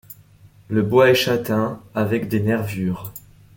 Le bois est châtain, avec des nervures.